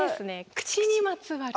口にまつわる。